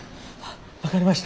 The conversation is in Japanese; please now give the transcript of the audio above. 分かりました。